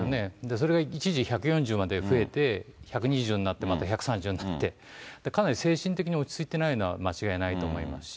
それが一時１４０まで増えて、１２０になってまた１３０になって、かなり精神的に落ち着いてないのは間違いないと思いますし。